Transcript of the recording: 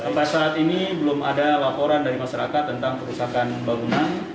sampai saat ini belum ada laporan dari masyarakat tentang kerusakan bangunan